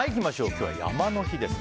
今日は山の日です。